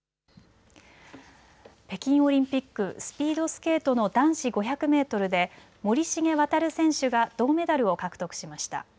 北京オリンピックスピードスケートの男子５００メートルで森重航選手が銅メダルを獲得しました。